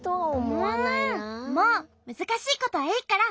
もうむずかしいことはいいから！